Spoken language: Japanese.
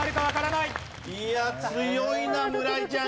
いや強いな村井ちゃん